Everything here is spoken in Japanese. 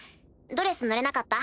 ドレスぬれなかった？